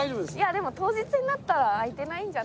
でも当日になったら空いてないんじゃ。